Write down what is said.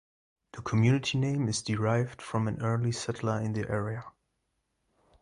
The community name is derived from an early settler in the area.